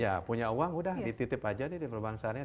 ya punya uang udah dititip aja di perbankan sariah